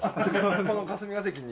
ここの霞ケ関に？